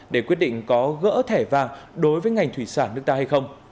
để quyết định có gỡ thẻ vàng đối với ngành thủy sản nước ta hay không